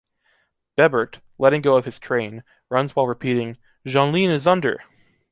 Bebert, letting go of his train, runs while repeating--- Jeanlin is under!